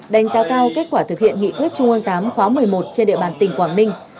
đánh giá cao kết quả thực hiện nghị quyết trung ương viii khóa một mươi một trên địa bàn tỉnh quảng ninh